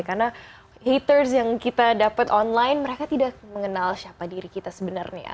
karena haters yang kita dapat online mereka tidak mengenal siapa diri kita sebenarnya